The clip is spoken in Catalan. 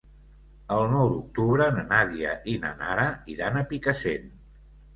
El nou d'octubre na Nàdia i na Nara iran a Picassent.